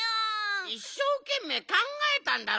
いっしょうけんめいかんがえたんだろ！？